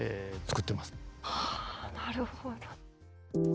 はあなるほど。